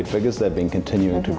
dan mereka sengaja memiliki wilayah